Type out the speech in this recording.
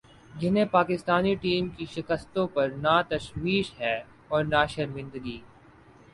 جنہیں پاکستانی ٹیم کی شکستوں پر نہ تشویش ہے اور نہ شرمندگی